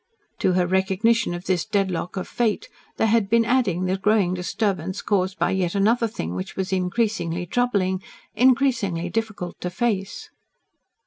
To her recognition of this deadlock of Fate, there had been adding the growing disturbance caused by yet another thing which was increasingly troubling, increasingly difficult to face.